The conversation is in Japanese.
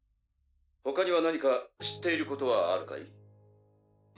「ほかには何か知っていることはあるかい？」